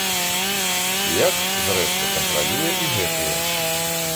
Як, зрэшты, кантралюе і гэтыя.